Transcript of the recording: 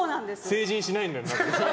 成人しないんだ。